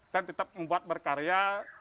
dan tetap membuat berkarya